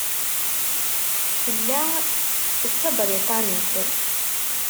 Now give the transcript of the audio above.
Tella d Tabriṭanit.